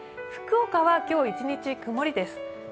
福岡は今日一日、曇りです。